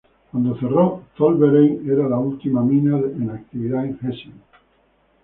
Cuando cerró, Zollverein era la última mina en actividad en Essen.